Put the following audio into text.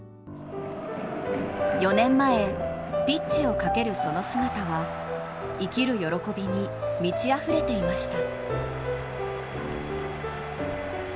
４年前、ピッチをかけるその姿は生きる喜びに満ちあふれていました。